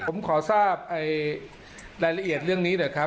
ผมขอทราบรายละเอียดเรื่องนี้หน่อยครับ